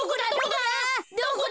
どこだ？